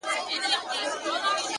ستا تصوير خپله هينداره دى زما گراني “